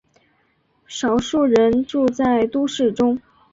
少数人住在都市中。